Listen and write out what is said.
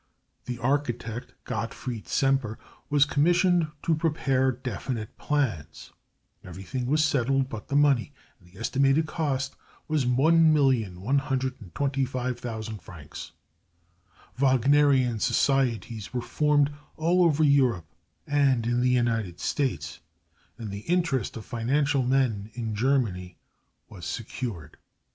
The architect Gottfried Semper was commissioned to prepare definite plans. Everything was settled but the money, and the estimated cost was 1,125,000 francs. Wagnerian societies were formed all over Europe, and in the United States, and the interest of financial men in Germany was secured.